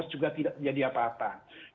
dua ribu delapan belas juga tidak terjadi apa apa